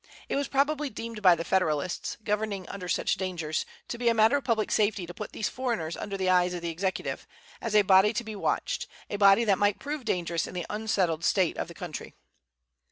It was probably deemed by the Federalists, governing under such dangers, to be a matter of public safety to put these foreigners under the eyes of the Executive, as a body to be watched, a body that might prove dangerous in the unsettled state of the country.